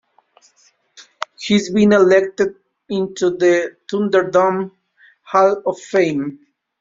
He's been elected into the Thunderdome Hall of Fame.